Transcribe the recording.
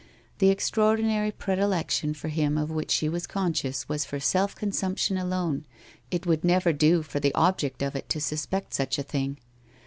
The extraordinary predilection for him of which she was conscious was for self consumption alone, it would never do for the object of it to suspect such a thing.